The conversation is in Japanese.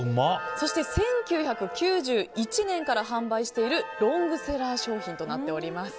そして１９９１年から販売しているロングセラー商品となっております。